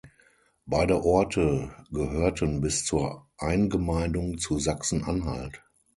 Beide Orte gehörten bis zur Eingemeindung zu Sachsen-Anhalt.